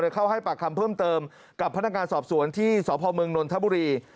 เข้าให้ปากคำเพิ่มเติมกับพนักงานสอบสวนที่สพเมืองนนทบุรี